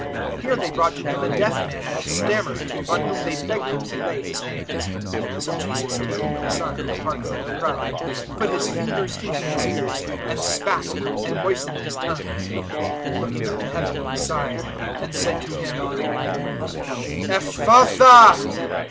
007:032 Here they brought to Him a deaf man that stammered, on whom they begged Him to lay His hands. 007:033 So Jesus taking him aside, apart from the crowd, put His fingers into his ears, and spat, and moistened his tongue; 007:034 and looking up to Heaven He sighed, and said to him, "Ephphatha!"